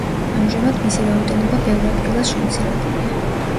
ამჟამად მისი რაოდენობა ბევრ ადგილას შემცირებულია.